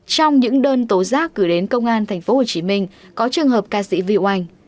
trong những đơn tố giác gửi đến công an tp hcm có trường hợp ca sĩ viu anh